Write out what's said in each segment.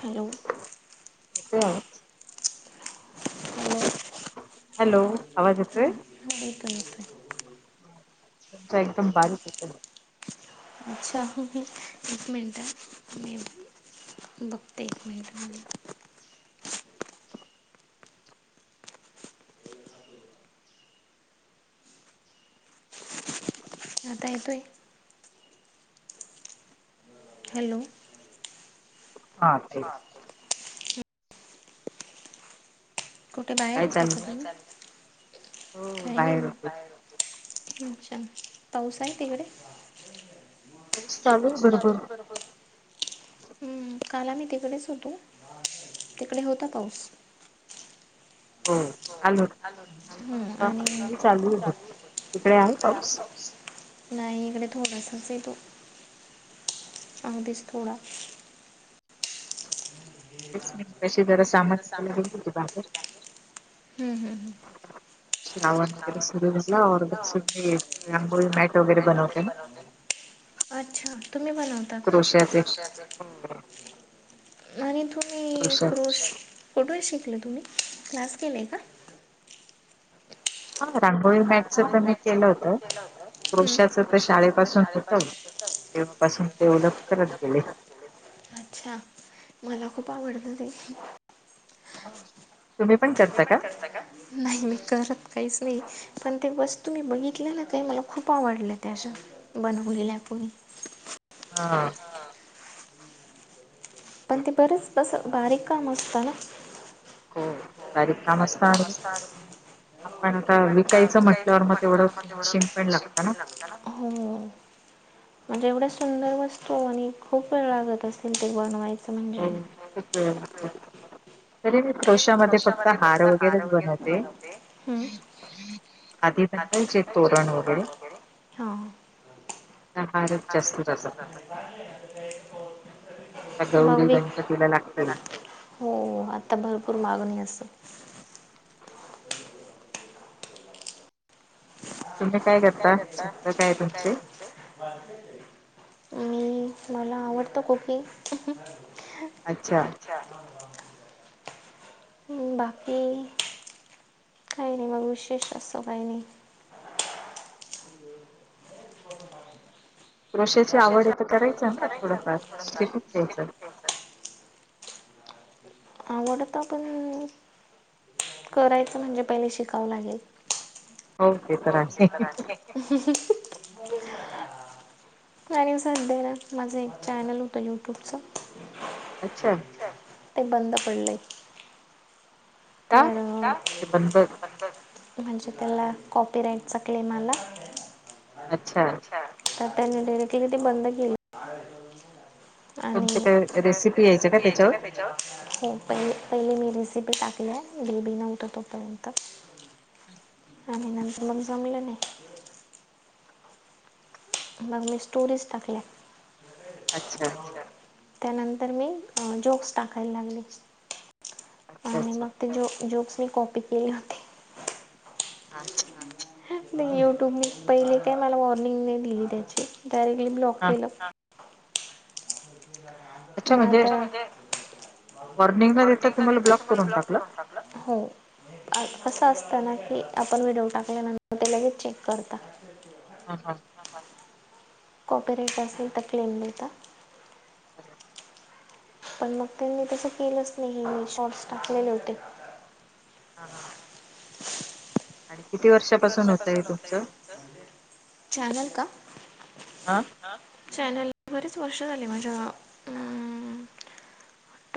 Hello ते hello hello आवाज येतोंय मि पण येतोय तुमच एकदम बारीक येतय अच्छा एक मिनट मी बघते एक मिनिट हा मी आता येतोय हॅलो हा ते कुठे काय बाहेर होता चाललंय तुम्ही हो काही बाहेर होते नाही अच्छा पाऊस आहे तिकडे पाऊस आहे भरपूर चालू बरोबर हम्म काल आम्ही तिकडेच होतो तिकडे होता पाऊस हो काल होत का पण हम्म, होता आणि आता चालू तिकडे आहे पाऊस नाही इकडे थोडासच आहे तो अगदीच थोडा तेच मी मगाशी जरा सामान सामान आणायला गेले होते बाहेर हम्म हम् हम्म वगैरे श्रावण सुरू मध्ये झाला ऑर्डर सुद्धा सुरू रांगोळी मॅट वगैरे मत वैगरे बनवते ना बनवतात अच्छा तुम्ही बनवता का क्रोशाचे आणि तुम्ही क्रोशाच क्रोश फोटो शिकल तुम्ही क्लास केलाय का हा रांगोळी मॅगच तर मी केलं होतं हम्म. क्रॉश्याच तर शाळेपासून होत पासून डेव्हलप करत गेले अच्छा मला खूप आवडत ते हा तुम्ही पण करता का नाही मी करत काहीच नाही पण ते वस्तू मी बघितल्या ना काही मला खूप आवडलं त्याशा बनवलेलं आहे आपणी हा पण ते बरंच कसं बारीक काम असतं ना. हो बारीक काम असत आणि आपण आता विकायचं म्हटल्यावर मग तेवढं फिनिशिंग पण लागतं ना. हम्म म्हणजे एवढ्या सुंदर वस्तू आणि खूप वेळ लागत असेल ते बनवायचे. हो खूप वेळ लागतो. तरी मी क्रोशामध्ये फक्त हार वगैरेच बनवते. हं? आधी बनवायचे तोरण वगैरे हा आता हारच जास्त बनवते. आता गौरी गणपतीला लागतील. मग हो आता भरपूर मागणी अस. तुम्ही काय करता छंद काय तुमचे मी मला आवडत कुकिंग अच्छा उम बाकी काही नाही मग विशेष अस काही नाही. च मा क्रोशेची आवड आहे तर करायच ना थोडंफार शिकून घ्यायचं. आवडत आपण करायचं तर म्हणजे पहिले शिकावं लागेल. हो ते तर आहे नाही सांते ना माझं एक चॅनल होत युट्यूबच. अच्छा ते बंद पडलंय. का तर म्हणजे बंद म्हणजे त्याला कॉपीराईटचा क्लेम आला. अच्छा तर त्यांनी डिरेक्टली ती बंद केलं. आणि तुमचे काय रेसिपी यायच का त्याच्यावर पहिले पहिले मी रसिपी टाकल्या बेबी नव्हतं तोपर्यंतक आणि नंतर मग जमलं नाही. मग मी स्टोरीज टाकल्या. अच्छा त्यानंतर मी जोक्स टाकायला लागले. अच्छा आणि अच्छा मग ते जोक्स मी कॉपी केले होते. अा युट्यूब पहिले का मला वॉर्निंग नाही दिली त्याची डायरेक्टली ब्लॉक केलं. म म्हणजे वॉर्निंग न देता मॉर्निंग तुम्हाला ब्लॉक टाकलं करून टाकत. हो असं असतं ना की आपण व्हिडिओ टाकल्यानंतर ते लगेच चेक करत. हा हा कॉपी राेट असेल तर प्लेम मिळता. ह पण मग त्यांनी तसं केलंच नाही मी शॉर्ट्स टाकलेले होते. हा हा आणि किती होत आहे वर्षापासून तुमचं होत चालेल का? हा चॅनल बरीच वर्ष झाली म्हणजे अ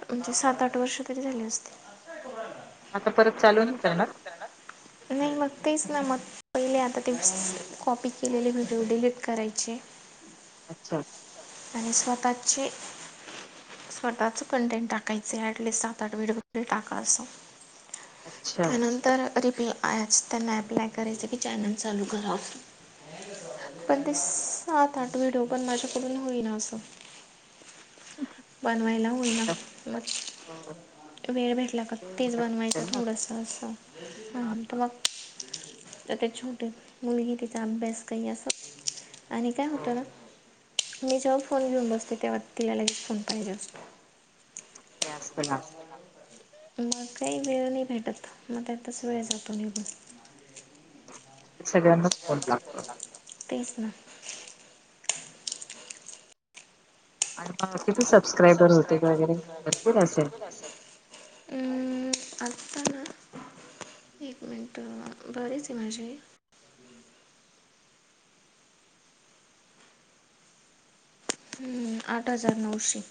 म्हणजे सात आठ वर्ष तरी झाली असते. आता परत चालून करणार. नाही मग तेच ना मग पहिले आता ते कॉपी केलेले व्हिडिओ डिलीट करायचे. अच्छा आणि स्वतचे स्वतःचं. पण टेंट टाकायचे ऍटलिस्ट सात, आठ व्हडिओ टाका अस अच्छा त्यानंतर तर रिप्ला आच त्यांना ॲप्लाय करायच की चायनल चालू करा अस. पण ते सत, आठ व्हिडिओ पण माझ्याकडून होईना अस. बनवायला होईना आता मग वेळ भेटला का तेच बनवायचं असेल ना थोडस असं हां, तर हां. मग त्यात छोट मुलगी तिचा अभ्यास कया अस. आणि काय होत हो मी जेव्हा फोन घेऊन बसते तेव्हा तिला लगेच फोन पाहिजे असतो. तेस्त ना. मग काही वेळ नाही भेटत मग त्यातच वेळ जातो निघून. सगळ्यांनाच फोन लागतो. तेच ना. आणि किती सबस्क्राईबर होते वगैरे भरपूर असेल. असल‌. हम्म, आता ना. एक मिनट बरेच आहे माझे हम्म, आठ हजार नऊशे.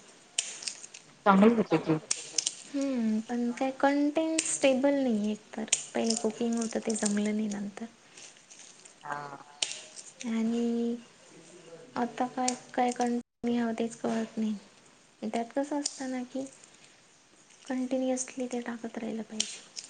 चांगलीच होते की. पण काय कंटेंट स्टेबल नाही एकतर पहिले कुकिंग होत ते जमल नाही नंतर. हा. आणि आता काय, काय करणार तेच कळत नाही. त्यात कस असतना कि कंटिन्युअसली ते टाकत राहिलं पाहिजे.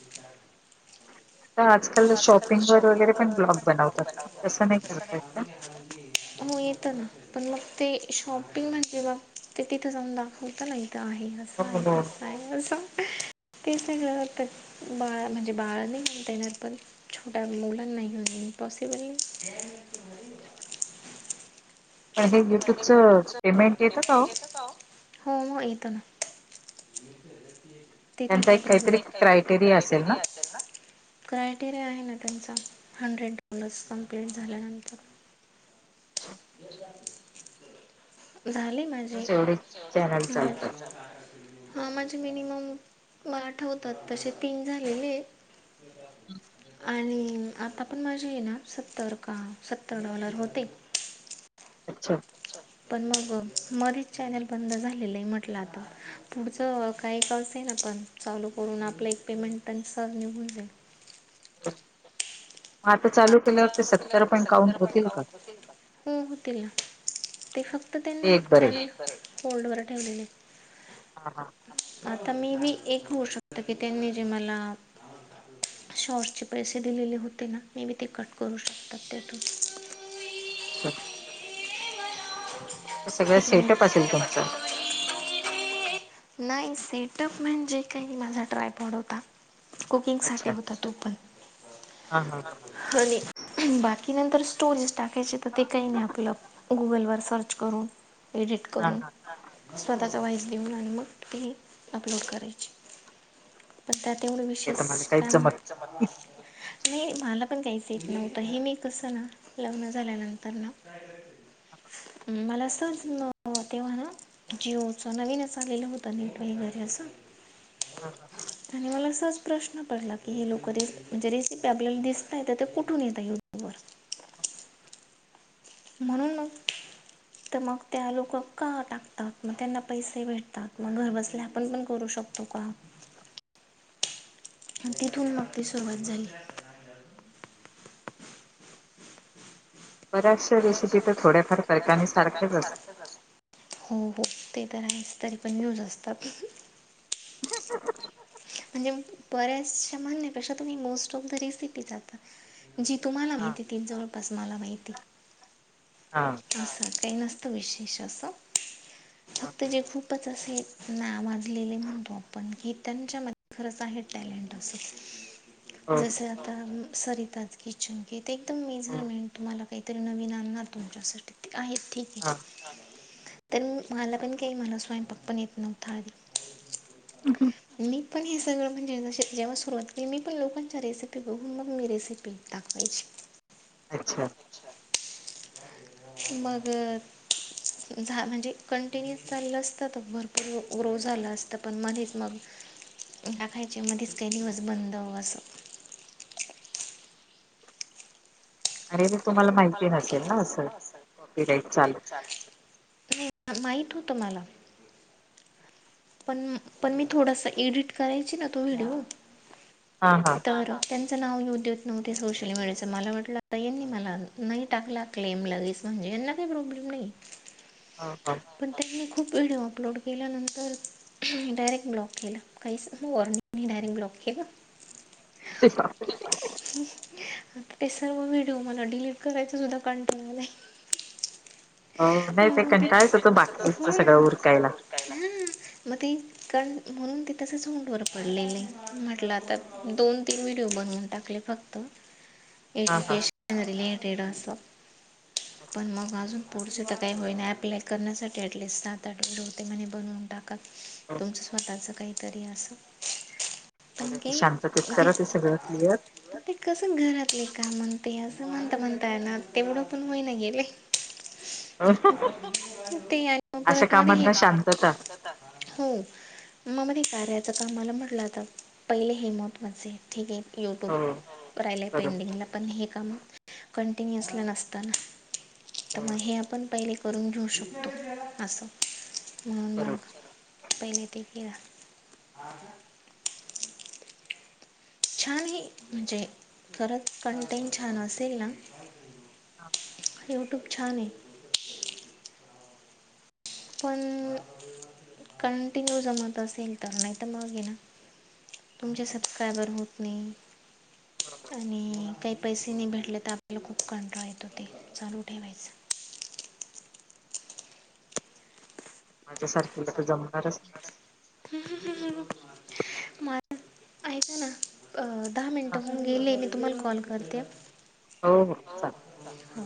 आजकाल शॉपिंग वर वगैरे पण ब्लॉग बनवतात ना तस नाही करता येत का? हो येतना. पण मग ते शॉपिंग म्हणजे मग ते तिथं जाऊन दाखवताना हे इथं आहे, असं हो आहे हो तस ते सगळ बाळा म्हणजे बाळ नाही म्हणता येनार पर छोट्या मुलांना नाही हो पॉसिबली पण हे युट्यूबचं पेमेंट येत का हो? हो मग येत ना. तिथे का काहीतरी, क्रॉयटेरिया असेल ना? क्रायटेरिया आहे ना त्यांचा हंड्रेड डॅलस कमप्लीट झाल्यानंतर. म्हणूनच झालीत. माझी एवढे चॅनल मा. चालतात हा माझे मिनिमम आठवतात तसे तीन झालेलेत. आणि आता पण माझे आहेना सत्तर का, सत्तर डॉलर होते. अच्छा. पण मग मध्येच चॅनेल बंद झालेलं आहे म्हटलं आता पुढचं काही अस ना पण चालू करून आपलं एक पेमेंट पण सहज निघून जाईल. [inaudible] चालू आता केल्यावर ते चालु केला सत्तर तर ते पण सत्तर काउंट पण का काउंट होतील का? हो होतील ना. ते फक्त ते त्यांनी एक बरे चॅनेल फोल्ड वर ठेवलेले. हा हा. आता मी बी एक होऊ शकत की त्यांनी जे मला शॉर्सचे पैसे दिलेले होते ना मे बी ते कट करू शकतात त्यातून. अच्छा. सगळा एक सेटअप मिनिट असेल तुमचा? नाही सेटअप म्हणजे काही माझा ट्रायपॉड होता. कुकिंग साठी अच्छा होता तो पण. हा हा हा बाकीनंतर स्टोरेज टाकायचे तर ते काही नाही आपलं गुगलवर सर्च करून एडिट हा करून. हा अच्छा स्वतःचा व्हाईस लिहन आणि मग ती अपलोड करायची. पण त्या तेवढं ते विशेष तर मला काय काहीच म्ह जमत नाही. नाही मला पण काहीच येत नव्हतं हे मी कसं ना लग्न झाल्यानंतर ना. मला असच तेव्हा ना. जिओच नवीनच आलेलं होतं नेट वगैरे असं. हा हा. आणि मला असाच प्रश्न पडला की हे लोक रे म्हणजे रेसिपी आपल्याला दिसतय तर ते कुठून येत युट्यूब वर. म्हणून मग. तर मग त्या लोक का टाकतात मग त्यांना पैसे भेटतात मग घरबसल्या आपण पण करू शकतो. त का. तिथून मग त सुरुवात झाली. परस. मलाचश रेसिपी तर थोड्या करत आहेत कार असतात सारख्याच असत. हो हो ते तर आहेच तरी पण न्यूज असतात. ह. म्हणजे बऱ्याचशा म्हणण्यापेक्षा तुम्ही मोस्ट ऑफ द रेसिपी जातात. जी तुम्हाला हा माहिती तीन जवळपास मला माहिती. हां. असं काही नसतं विशेष असं हा फक्त जे खूप. खूपच असे ना माजलेले म्हणतो आपण की त्यांच्यामध्ये खरंच आहे टॅलेंट असं. [inaudible] जस आता सरिताच किचन कि ते एकदम हो मेजरमेंट तुम्हाला काहीतरी नवीन आणणार तुमच्यासाठी ते आहेत ठीक आहे. हा तर मला पण का मला स्वयंपाक पण येत नव्हता मी पण हे सगळं म्हणजे ज जेव्हा सुरुवात केली मी पण लोकांच्या रेसिपी बघून मग मी रेसिपी टाखवायची. अच्छा. अ. मगर. झा म्हणजे कंटिन्यु चालं असतं तर भरपूर ग्रो झालं असतं पण मधच मग टाकायचे मध्येच काही दिवस बंद असं अरे ना तुम्हाला माहिती नसेल असं ना अस कॉपीराईट चालत माहीित होतुम्हाला पण पण मी थोडासा एडिट करायची ना तो व्हिडिओ हा हा त्यांचं नाव युद्यत नव्हते सोशल मीडियाच मला म्हटलं आता यांनी मला नाही टाकला क्लेम लगेच म्हणजे यांना काही प्रॉब्लेम नाही हा हा पण त्यांनी खूप व्हिडिओ अपलोड केल्यानंतर डायरेक्ट ब्लॉक केलं काहीचग वॉरंट नाही डायरेक्ट ब्लॉक केलं आता ते सर्व व्हिडिओ मला डिलीट करायचं सुद्धा कंटेला हो नाही ते कंटायच होतं बाकीच सगळं उरकायला हा मग ते कण म्हणून ते तस झोंडवर पडलेले म्हटलं आता दोन तीन व्हिडिओ बनवून टाकले फक्त हा हा एज्युकेशन रिलेटेड असं अच्छा पण मग अजून पुढचं तर काही होई नाही अॲप्लाय करण्यासाठी ॲटलिस्ट सात आठ व होते म्हणे बनवून टाक हो, तुमचं स्वतःच काहीतरी अस पण काही शांततेत ठीक हे. करा ते सगळं क्लिअर ते कसं घरातले का म्हणते असं म्हणता म्हणता हायना ना तेवढं पण होईना गेले. ह [unintelligible] ते आणि मग परत मध्ये हे हो. मग मध्ये कार्याचं कामाला म्हटलं आता पहिले हे महत्वाचे. ठीक आहे. हो यूट्यूब राहिलाय. बरोबर पेंडिंगला आणि हे काम कॉन्टिनुअसली नसत ना. तर हो मगं आपण पहिले करून घेऊ शकतो असं. म्हणून मग. बरोबर पहिले ते केलं. छान आहे. म्हणजे खरं कंटेंट छान असेल ना. हा [inaudible] यूट्यूब छान आहे. पण कंटिन्यू जमत असेल तर, नाही तर मगं आहे ना. तुमचे सबस्क्रायबर होत नाही. आणि काही पैसे नाही भेटले. तर आपल्याला खूप कंटाळा येतो ते चालू ठेवायच. माझ्यासारखीला तर जमणारच नाही. ति [unintelligible] ह ऐका ना. अ दहा मिनटं होऊन गेले. मी तुम्हाला कॉल करते. हो हो चालतय. हो